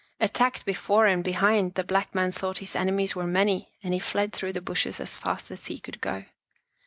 Attacked before and be hind, the black man thought his enemies were many and he fled through the bushes as fast as he could go.